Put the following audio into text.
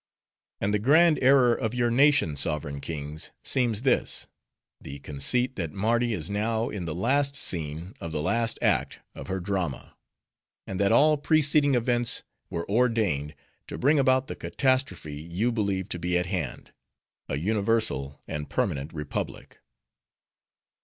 "And the grand error of your nation, sovereign kings! seems this:—The conceit that Mardi is now in the last scene of the last act of her drama; and that all preceding events were ordained, to bring about the catastrophe you believe to be at hand,—a universal and permanent Republic.